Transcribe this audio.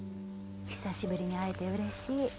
久しぶりに会えてうれしい。